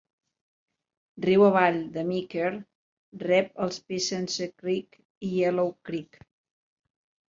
Riu avall de Meeker, rep els Piceance Creek i Yellow Creek.